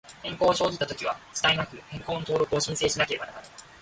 変更を生じたときは、遅滞なく、変更の登録を申請しなければならない。